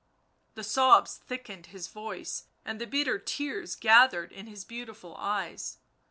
" The sobs thickened his voice, and the bitter tears gathered in his beautiful eyes.